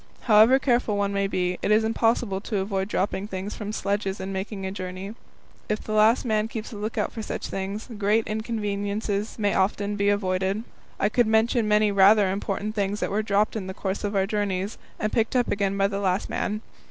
However careful one may be, it is impossible to avoid dropping things from sledges in making a journey. If the last man keeps a lookout for such things, great inconvenience may often be avoided. I could mention many rather important things that were dropped in the course of our journeys and picked up again by the last man.